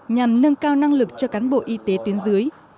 nhằm nâng cao năng lực cho cán bộ y tế tuyến dưới